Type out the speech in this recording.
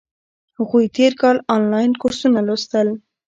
هغوی تیر کال انلاین کورسونه لوستل.